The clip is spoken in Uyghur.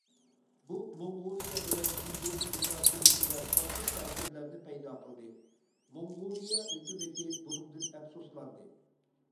بۇ موڭغۇلىيە بىلەن جۇڭگونىڭ مۇناسىۋىتىدە پاسسىپ تەسىرلەرنى پەيدا قىلدى، موڭغۇلىيە ھۆكۈمىتى بۇنىڭدىن ئەپسۇسلاندى.